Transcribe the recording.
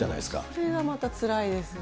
それがまたつらいですよね。